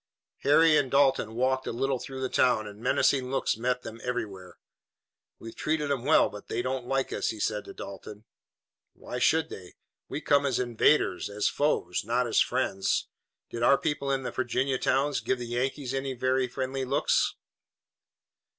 Harry and Dalton walked a little through the town, and menacing looks met them everywhere. "We've treated 'em well, but they don't like us," he said to Dalton. "Why should they? We come as invaders, as foes, not as friends. Did our people in the Virginia towns give the Yankees any very friendly looks?"